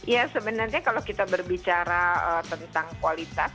ya sebenarnya kalau kita berbicara tentang kualitas